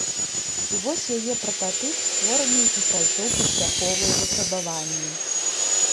І вось яе прататып створаны і прайшоў паспяховыя выпрабаванні.